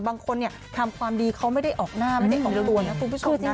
บางคนทำความดีเขาไม่ได้ออกหน้าไม่ได้ออกตัวนะคุณผู้ชมนะ